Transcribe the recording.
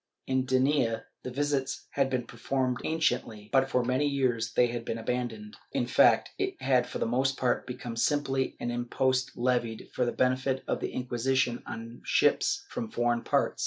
In Denia the visits had been performed anciently, but for many years they had been abandoned.^ In fact, it had for the most part become simply an impost levied for the benefit of the Inquisition on ships from foreign parts.